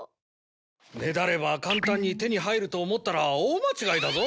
ねだれば簡単に手に入ると思ったら大間違いだぞ。